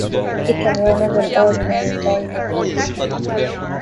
It can run as an ordinary diving rebreather.